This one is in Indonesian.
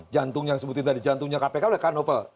jantung yang disebutin tadi jantungnya kpk mereka novel